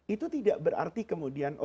itu tidak berarti kemudian